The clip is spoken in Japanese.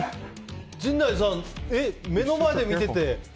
陣内さん、目の前で見てて。